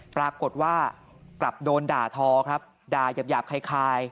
ปรากฏว่ากลับโดนด่าทอครับด่ายาบคล้าย